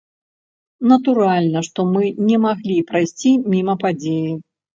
Натуральна, што мы не маглі прайсці міма падзеі.